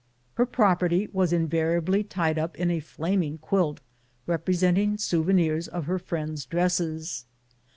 Her property was invariably tied up in a flaming quilt representing souvenirs of her friends' dresses.